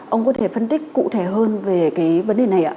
ông có thể phân tích cụ thể hơn về cái vấn đề này ạ